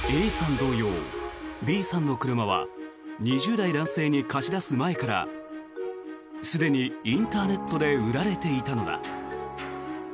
同様、Ｂさんの車は２０代男性に貸し出す前からすでにインターネットで売られていたのだ。